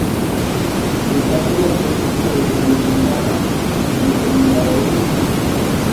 Destaca la presencia de grandes ventanas, que permitían la entrada de la luz.